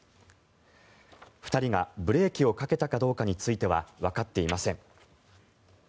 ２人がブレーキをかけたかどうかについてはわかっていません。